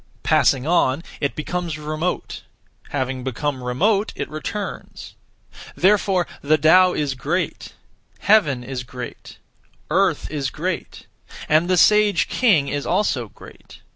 Passing on, it becomes remote. Having become remote, it returns. Therefore the Tao is great; Heaven is great; Earth is great; and the (sage) king is also great.